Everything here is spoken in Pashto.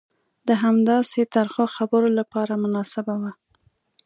د همداسې ترخو خبرو لپاره مناسبه وه.